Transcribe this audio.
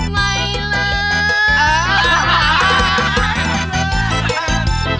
ไม่เลิก